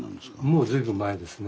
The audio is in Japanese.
もう随分前ですね。